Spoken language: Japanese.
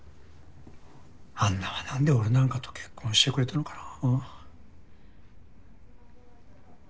安奈はなんで俺なんかと結婚してくれたのかな。